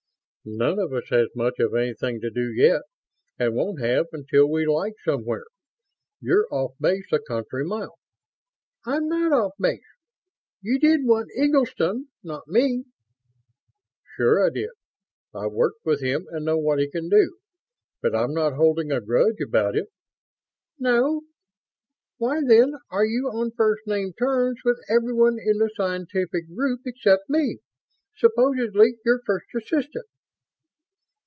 "None of us has much of anything to do yet, and won't have until we light somewhere. You're off base a country mile." "I'm not off base. You did want Eggleston, not me." "Sure I did. I've worked with him and know what he can do. But I'm not holding a grudge about it." "No? Why, then, are you on first name terms with everyone in the scientific group except me? Supposedly your first assistant?"